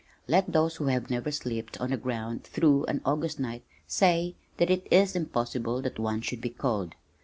Let those who have never slept out on the ground through an August night say that it is impossible that one should be cold!